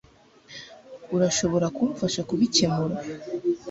urashobora kumfasha kubikemura